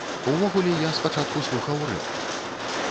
Увогуле, я спачатку слухаў рэп.